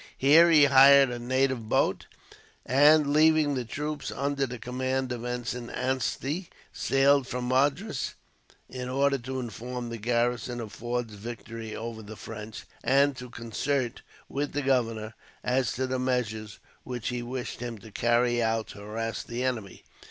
Here he hired a native boat and, leaving the troops under the command of Ensign Anstey, sailed for Madras; in order to inform the garrison of Forde's victory over the French, and to concert, with the governor, as to the measures which he wished him to carry out to harass the enemy.